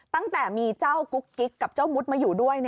ตั้งแต่มีเจ้ากุ๊กกิ๊กกับเจ้ามุดมาอยู่ด้วย